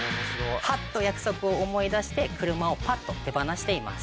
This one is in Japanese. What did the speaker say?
はっ！と約束を思い出して車をぱっと手放しています。